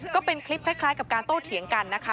ก็เป็นคลิปคล้ายกับการโต้เถียงกันนะคะ